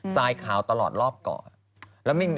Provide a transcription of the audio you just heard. ทรายขาวตลอดรอบเกาะ